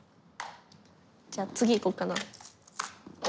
じゃ次いこうかな。